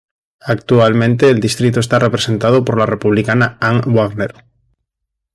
Actualmente el distrito está representado por la Republicana Ann Wagner.